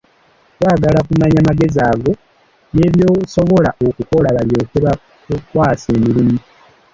Baagala kumanya magezi go ne by'osobola okukola, balyoke bakukwase emirimu.